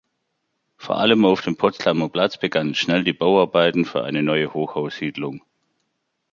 Vor allem auf dem Potsdamer Platz begannen schnell die Bauarbeiten für eine neue Hochhaussiedlung.